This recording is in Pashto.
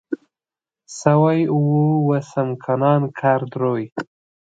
سوی اوه و سمکنان کرد روی